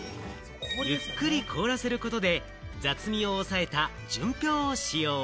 ゆっくり凍らせることで雑味を抑えた純氷を使用。